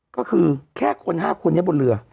ก็คือแค่คน๕คนนี้บนเรือ